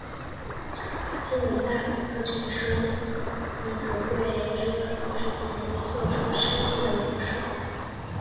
日本大百科全书意图对日本和日本人作出深入的描述。